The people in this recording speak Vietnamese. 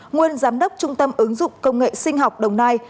nguyên giám đốc trung tâm ứng dụng công nghệ sinh học đồng nai